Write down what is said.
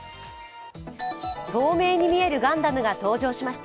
透明に見えるガンダムが登場しました。